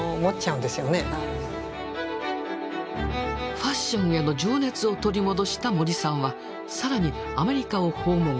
ファッションへの情熱を取り戻した森さんは更にアメリカを訪問。